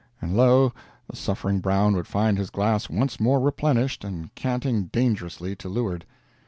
and lo, the suffering Brown would find his glass once more replenished and canting dangerously to leeward.